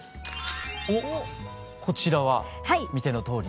おっこちらは見てのとおりの。